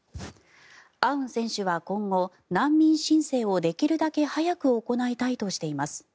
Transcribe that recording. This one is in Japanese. アウン選手は今後、難民申請をできるだけ早く行いたいとしています。